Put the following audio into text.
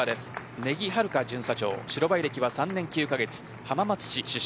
根木春香巡査長白バイ履歴は３年９カ月浜松市出身。